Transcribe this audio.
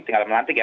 tinggal melantik ya